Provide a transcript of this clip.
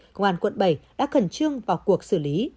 công an quận bảy đã khẩn trương vào cuộc xử lý